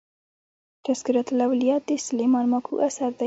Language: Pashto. "تذکرةالاولیا" د سلیمان ماکو اثر دﺉ.